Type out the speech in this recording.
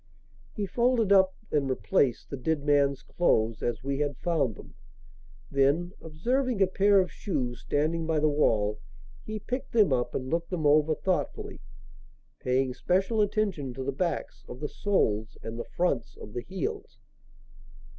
He folded up and replaced the dead man's clothes as we had found them. Then, observing a pair of shoes standing by the wall, he picked them up and looked them over thoughtfully, paying special attention to the backs of the soles and the fronts of the heels.